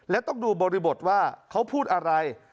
และต้องดูบริบทว่าเขาพูดอะไร